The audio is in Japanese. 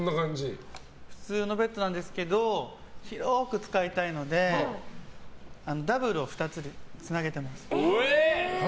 普通のベッドなんですけど広く使いたいのでダブルを２つつなげてます。